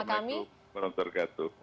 assalamualaikum warahmatullahi wabarakatuh